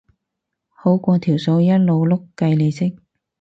好過條數一路碌計利息